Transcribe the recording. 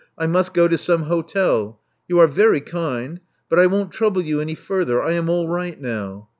I must go to some hotel. You are very kind; but I won't trouble you any further. I am all right now."